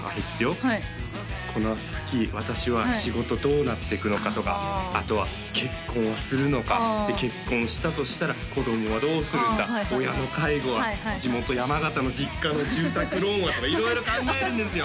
この先私は仕事どうなっていくのかとかあとは結婚をするのかで結婚したとしたら子供はどうするんだ親の介護は地元山形の実家の住宅ローンはとか色々考えるんですよ